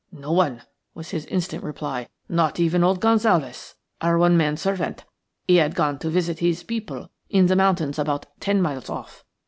"No one," was his instant reply. "Not even old Gonsalves, our one man servant. He had gone to visit his people in the mountains about ten miles off.